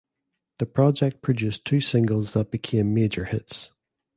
The project produced two singles that became major hits.